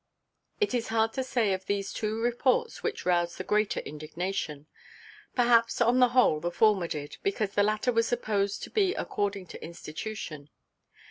It is hard to say of these two reports which roused the greater indignation; perhaps on the whole the former did, because the latter was supposed to be according to institution.